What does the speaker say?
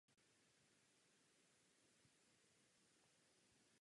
Poražení v semifinále hrají jedno utkání o celkové třetí místo.